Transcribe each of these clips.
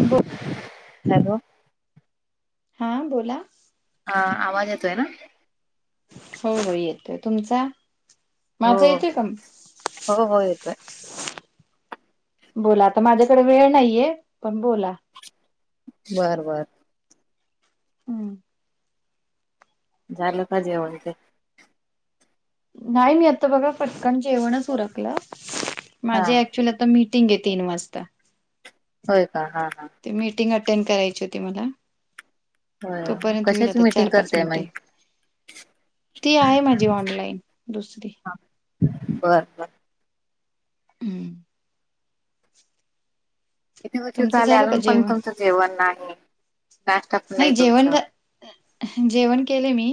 ब हॅलो. हां बोला. हा आवाज येतोय ना. हो हो येतोय तुमचा हो माझा येतोय का? हो हो येतोय बोला आता माझ्याकडे वेळ नाहीये पण बोला. बर बर. हम्. झालं का जेवण ते नाही मी आता बघा फटकन जेवणच उरकलं हा माझे च आताीटिंग आहे ती वाजता होय का हा हा. ते मीटिंग अटेंड करायची होती मला. होय तोपर्यंत होईल कशाची आता मिटिंग चार पाच करतेय मिनिटे मग ती आहे माझी ऑनलाइन दुसरी बर बर. हम्म. किती वर्षी तुमचं झाले झालं का अजून पण जेवण तुमचं जेवण नाही. नाश्ता पण नाही जेवण तुमचं जेवण केले मी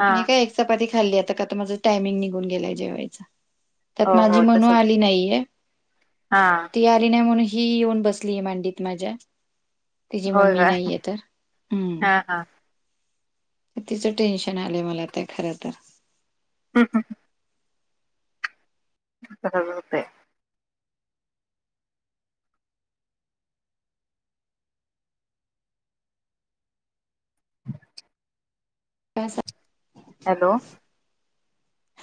हा मी काय एक चपाती खाल्ली आता काता माझं टायमिंग निघून गेलाय जेवायचा त्यात हो माझी हो म्हणू तसच आली नाहीये हा ती आ. नाही म्हणून ही येऊन बसली मांडीत माझ्या तिची होय मम्मी का नाहीये तर हम्म. हा हा तिचं टेन्शन आलंय मला ते खरं तर हम हं. हो ते वस. हॅलो.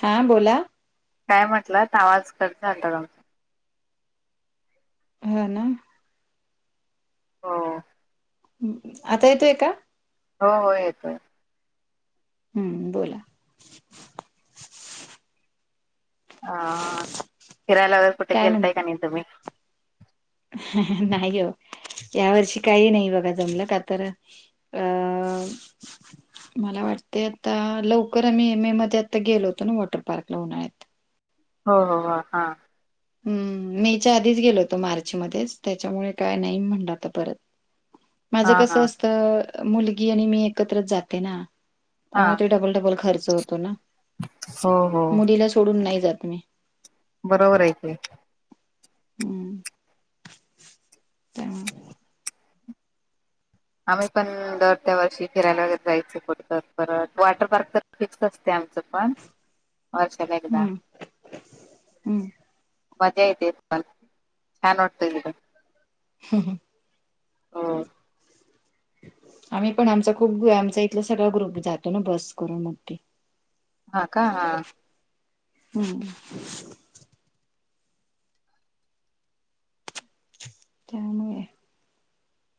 हां बोला. काय म्हटलं तर आवाज करत आता हा ना. हो. आता येतोय का? हो हो येतोय. हम्म बोला. ह फिरायला व कुठे काय म्हण गेलताय का तुम्ही? नाही हो या वर्षी काही नाही बघा जमलं का तर आ. मला वाटते आता लवकर आम्ही एम ए मध्ये आता गेलो होतो ना वॉटर पार्क ला उन्हाळ हो हो हो हा. हम्म मेच्या आधीच गेलो होतो मार्च मध्येच त्याच्यामुळे काय नाही म्हणलं तर परत [unintelligible] माझं हा कसं असतं मुलगी आणि मी एकत्रच जाते ना. हा त्यामुळे तो डबल डबल खर्च होतो ना हो हो मुलीला सोडून नाही जात मी बरोबर आहेक. हम्म ते आम्ही पण दर त्या वर्षी फिरायला वगैरे जायचो पडत परत वॉटर पार्क तर फिक्स असते आमचं पण होर सगदा हम्म हम्म मजा ेत छान नडतर हा हं. हो. आम्ही पण आमचा खूप आमचा इथला सगळा ग्रुप जातो ना बस करून मग हा का हा. हम्. कामुळे आहे.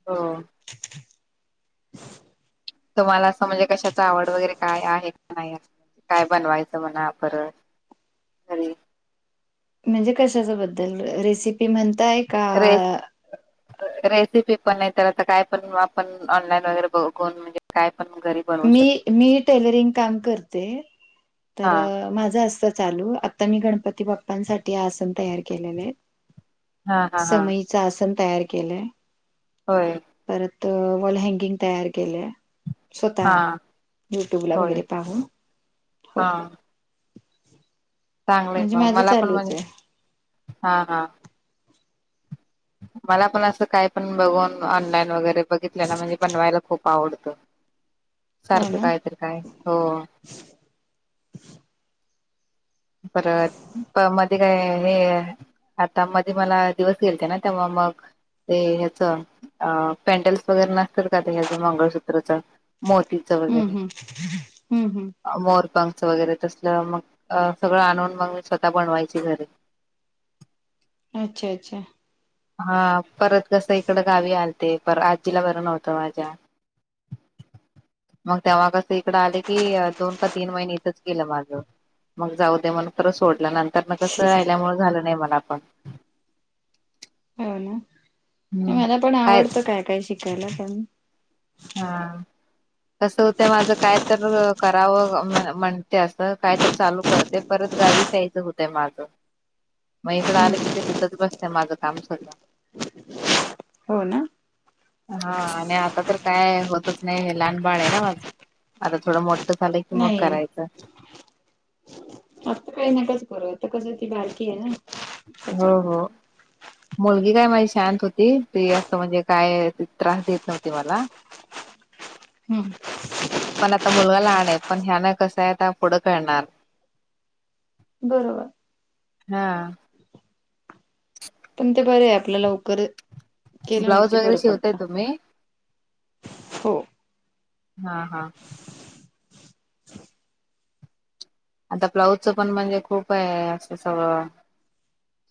हो. [unintelligible] तुम्हाला असं म्हणजे कशाच आवड वगैरे काय आहे का नाही. काय बनवायचं म्हणा परत घरी म्हणजे कशाच्या बद्दल रेसिपी म्हणताय. का रेस. रेसिपी पण नाही तर आता काय पण आपण ऑनलाईन वगैरे बघुन म्हणजे काय पण घरी बनवू मी शकतो मी टेलरिंग काम करते हा तर माझं असत चालू. आता मी गणपती बाप्पांसाठी आसन तयार केलेले आहे हा हा हा समय आसन तयार केलंय. होय. परत वॉल हँगिंग तयार केले. स्वतः हा यूट्यूबला होय वगैरे पाहू. हा. चांगलंय म्हणजे मग माझं मला पण चालूच म्ह आहे हा हा. मला पण असं काय पण बघून ऑनलाईन वगैरे बघितलं ना म्हणजे बनवायला खूप आवडत हो सारखं ना काहीतरी काय हो. परत मध्ये काय हे. आता मध्ये मला दिवस गेलते ना तेव्हा मग ते ह्याच अ पेंडल्स वगैरे नसतात का ह्याचं मंगळसूत्रच मोती हम् हम्म हम्म हम्म. मोरपकच वगैरे तस मग सगळं आणून मग म स्वतः बनवायची घरी अच्छा अच्छा. हा परत कस इकडं गावी आलते पर आजीला बरं नव्हतं माझ्या मग तेव्हा कस इकड आले की दोन का तीन महिने इथंच केलं माझं. मग जाऊ दे मण खरं सोडलं नंतर न कसं राहिल्यामुळे झालं नाही मला आपण हो ना मला पण आवडतं काय काय शिकायला पण ह कस होत माझं काय तर करावं म्हण म्हटलं. अस काय तर चालू करते परत गावी जायचं होतय माझं. मग इकडं आलं कि हम्म. ते तिथंच बसते माझं काम सगळं. हो ना. हा आणि आता तर काय होतच नाही हे लहान बाळ आहे ना माझं आता थोडं मोठं झालंय की मग नाही करायचं. आता काही नकाच करू आता कसं ती बारकी आहे ना हो हो त्याच्यामुळे मुलगी काय माझी शांत होती ती अस म्हणजे काय त्रास देत नव्हती मला हम्म पण आता मुलगा लहान आहे पण ह्यान कसं आहे आता पुढं कळणार. बरोबर हा ह [unintelligible] पण ते बरे आहे आपल लवकर केलं ब्लाऊज नक्की वगैरे बरं शिवताय पडतं तुम्ही हो हा हा आता ब्लाऊजचं पण म्हणजे खूप आहे असं सगळं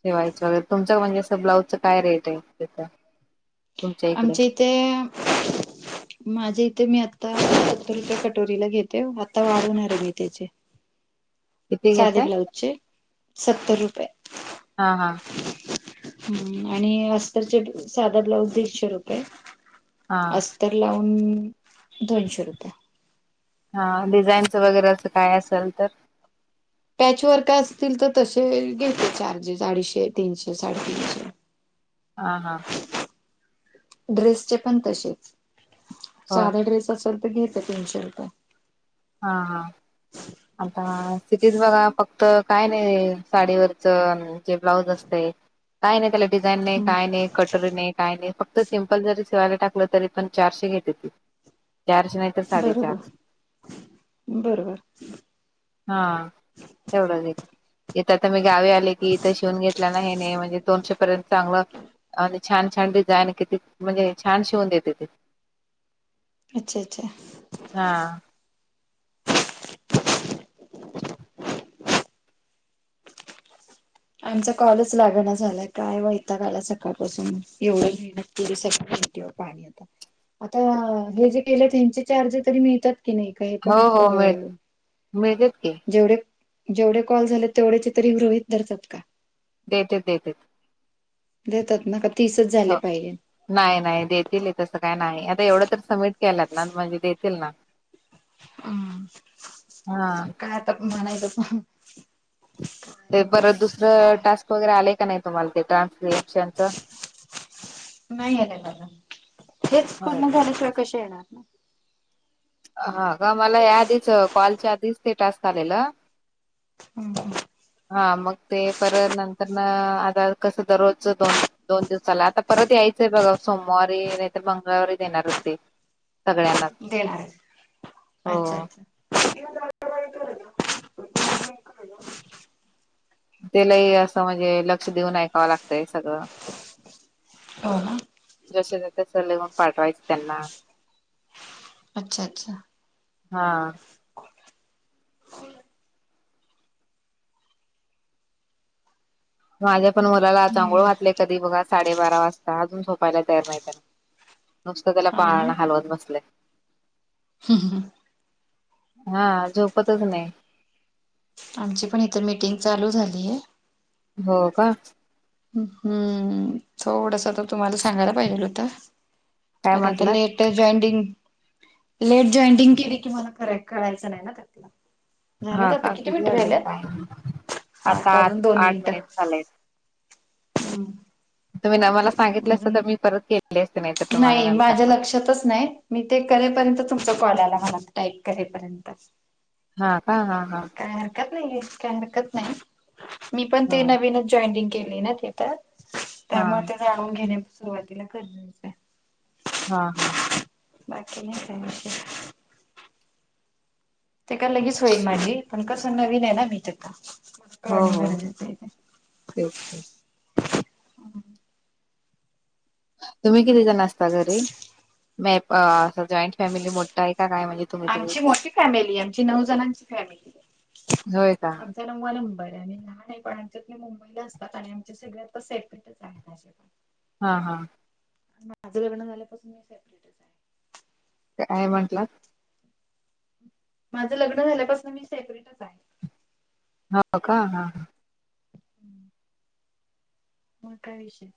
शिवायचं वैगरे तुमचं म्हणजे असं ब्लाउजचं काय रेट आहे त्याचा. आमच्या इथे माझ्या इथे मी आता सत्तर रुपये कटोरीला घेते आता वाढवणार आहे मी त्याचे. किती साधे घेताय ब्लाउजचे सत्तर रुपये हा हा हम्म आणि अस्तरचे साधा ब्लाऊज दीडशे रुपये हा अस्तर लावून, दोनशे रूपये. हा, डिझाईनच वगैरे असं काय असेल तर? पॅचवर्क असतील तर, तसे घेते चार्जेस अडीचशे-तीनशे-साडेतीनशे. हा.. हां.. ड्रेसचे पण तसेच. हो साधा ड्रेस असेल तर, घेते तीनशे रुपये. हा.. हा. [inaudible] आता [unintelligible] जे ब्लाऊज असतंय, काय नाही त्याला डिझाईन नाही, काय नाही कटोरी नाही काय नाही फक्त. जर सिम्पल जरी शिवायला टाकलं, तरी पण चारशे घेते ती. चारशे नाही तर साडेचार बरोबर-बरोबर. हा, तेवढंच आहे. इथ आता मी गावी आले की इथं शिवून घेतला ना हेणे म्हणजे दोनशे पर्यंत चांगलं छान छान डिझाईन किती म्हणजे छान शिवून देते ती. अच्छा अच्छा हा. [inaudible] आमचा कॉलच लागणा झालाय, काय वैताग आला सकाळपासून. एवढी मेहनत केली, सगळ्या मेहनतीवर पाणी आ [unintelligible] आता हे जे केलं, त्यांचे चार्ज तरी मिळतात की नाही? काही हो पण... हो मिळ अं, मिळतेत की जेवढे जेवढे कॉल झालेत, तेव्हढ्याचे तरी गृहित धरतात. का देतेत-देतेत. देतात ना? का तीसंच झाले पाहिजे? नाही-नाही देतील, तसं काय नाही. आता एवढं तर सबमिट केलात ना म्हणजे देतील ना. हम्.. हा त्याचं काय आता, म्हणायचं पण काय ते एवढं परत दुसरं काय टास्क वगैरे, आले का नाही तुम्हाला ते ट्रान्स्क्रीशनचं? नाही आले बघा. हेच पूर्ण हा झाल्याशिवाय कसे येणार? हा. का, मला याआधीच कॉलच्या आधीच ते टास्क आलेलं हम्.. हम. हा. मग ते परत नंतरनं, आता कसं दररोजचं दोन दोन दिवसाला. आता परत यायचंय बघा, सोमवारी नाहीतर मंगळवारीच येणार होते. सगळ्यांना. देणारआहे अच्छा-अच्छा ते लय असं, म्हणजे लक्ष देऊन ऐकावं लागतंय सगळं. हो, ना? जसंच्या तसं, लिहून पाठवायचं त्यांना अच्छा-अच्छा हा माझ्या पण मुलाला, आज आंघोळ हम्म घातली कधी बघा साडेबारा वाजता. अजून झोपायला तयार नाही. त्यांना नुसतं त्याला, हो पाळणा हलवत बसले. हम्-हम् हा, झोपतच नाही. आमची पण इथं, मीटिंग चालू झाली आहे. हो, का? हम्म् थोडंस तर तुम्हाला सांगायला पाहिजेल होतं काय की आता ते म्हंटलात लेट ते जॉइंडिंग लेट जॉईंडिंग केली की, मला फरक कळायचं नाही ना त्यातला झालं हा का आता, किती मिनिटं वाजलेत काय राहिल्यात? आठ आता अजून दोन आठ मिनिट मिनिटं झालंय हम्. तुम्ही ना मला सांगितलं असतं तर मी परत गलेले असते नाही तर तुम्हाला नाही नंतर माझ्या मग लक्षातच नाही मी ते करेपर्यंत तुमचा कॉल आला मला टाईप करेपर्यंत हा का हा हा. काय हरकत नाही काय हरकत नाही मी पण हा ते नवीनच जॉईनिंग केली ना ते त्यात हा त्यामुळे ते जाणून घेणे सुरुवातीला कर हा हा हा बाकी नाही काय विषय ते का लगेच होईल माझी पण कसं नवीन आहे ना मी तर का हो करणे हो गरजेचं आहे ते तेच कि तुम्ही किती जण असता घरी मे अस जॉईंट फॅमिली मोठा आहे का काय म्हणजे तुम्ही तुम्ही आमची मोठी फॅमिली आहे आमची नऊ जणांची फॅमिली आहे. होय का हे नवा नंबर आहेम्ही लहान आहे पण आमच्यात मुंबईला असतात आणि आमच्या सगळ्यात सेपरेटच आहेत पण हा.. हा. माझं लग्न झाल्यापासून, मी सेपरेट आहे. काय म्हंटलांत? माझं लग्न झाल्यापासून, मी सेपरेटच आहे. हो का हा हा [unintelligible] मग काय विषय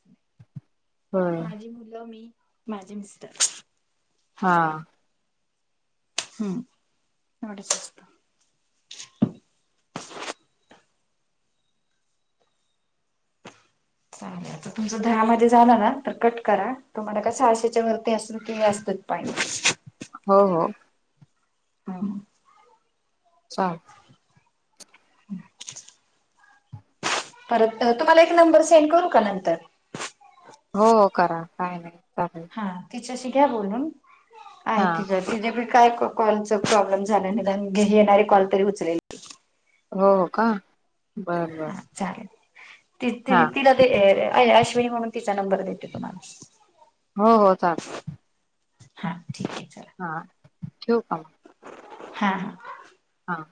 होय माझी मुलं मी माझे मिस्टर हा हम्म येवढच चालेल. तुमच दहा मध्ये झालं ना तर कट करा तुम्हाला का सहाशेच्या वरती असून कि असतात पाणी हो हो. हम चाल परत तुम्हाला एक नंबर सेंड करू का नंतर हो करा काय नाही चालेल. हा तिच्याशी घ्या बोलून आहे हा तिज तिज्या बी काय कॉलच प्रॉब्लेम झाला निदान गेली येणारे कॉल तरी उचलेल हो हो का बरं बर. हा चालेल ती ती हा तिला ते अ अश्विनी म्हणून तिचा नंबर देते तुम्हाला. हो हो चालत हा ठीक आहे हा चला ठेवू का म. हा. हा.